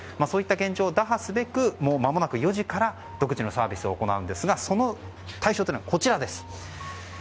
そういった現状を打破すべくもうまもなく４時から独自のサービスを行うんですがその対象というのが、こちらです。